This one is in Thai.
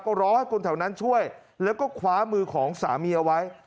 ก็รอให้คนแถวนั้นช่วยแล้วก็คว้ามือของสามีเอาไว้